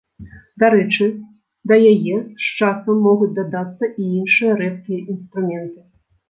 Дарэчы, да яе з часам могуць дадацца і іншыя рэдкія інструменты.